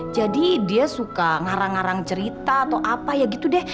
jadi dia suka ngarang ngarang cerita atau apa ya gitu deh